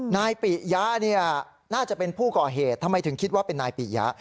นายปิยะเนี่ยน่าจะเป็นผู้ก่อเหตุทำไมถึงคิดว่าเป็นนายปิยะ